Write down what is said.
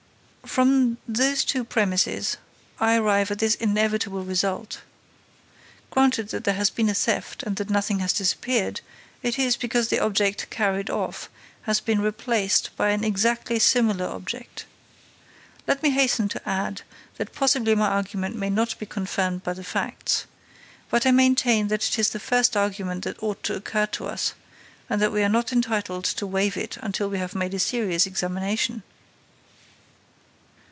"From those two premises I arrive at this inevitable result: granted that there has been a theft and that nothing has disappeared, it is because the object carried off has been replaced by an exactly similar object. Let me hasten to add that possibly my argument may not be confirmed by the facts. But I maintain that it is the first argument that ought to occur to us and that we are not entitled to waive it until we have made a serious examination."